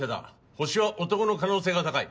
ホシは男の可能性が高い。